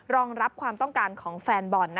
รองรับความต้องการของแฟนบอล